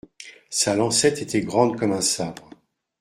Sa lancette était grande comme un sabre.